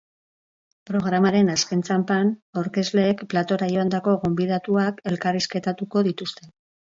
Programaren azken txanpan, aurkezleek platora joandako gonbidatuak elkarrizketatuko dituzte.